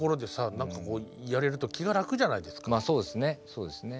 そうですね。